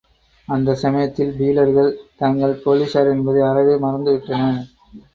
அந்தச் சமயத்தில் பீலர்கள் தாங்கள் போலிஸார் என்பதை அறவே மறந்து விட்டனர்.